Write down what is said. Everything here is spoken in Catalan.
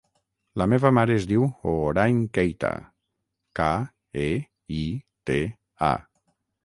La meva mare es diu Hoorain Keita: ca, e, i, te, a.